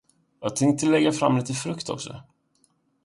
Jag tänkte lägga fram lite frukt också.